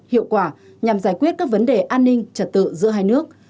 hiệu quả nhằm giải quyết các vấn đề an ninh trật tự giữa hai nước